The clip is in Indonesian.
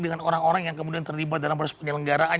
dengan orang orang yang kemudian terlibat dalam proses penyelenggaraan